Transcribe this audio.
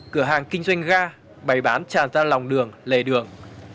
cửa hàng kinh doanh ga bày bán tràn ra lòng đường lề đường